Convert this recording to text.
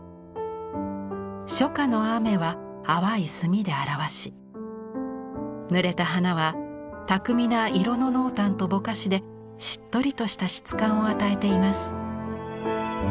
初夏の雨は淡い墨で表しぬれた花は巧みな色の濃淡とぼかしでしっとりとした質感を与えています。